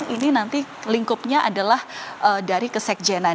ini nanti lingkupnya adalah dari kesekjenan